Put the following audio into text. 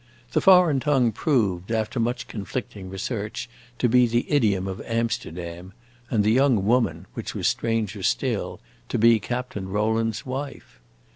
The foreign tongue proved, after much conflicting research, to be the idiom of Amsterdam, and the young woman, which was stranger still, to be Captain Rowland's wife.